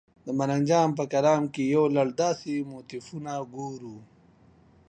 د ملنګ جان په کلام کې یو لړ داسې موتیفونه ګورو.